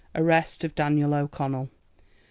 Arrest of Daniel O'Connell. 1845.